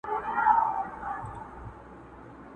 شپه مو په ښار کي په يو کور کي تېره کړه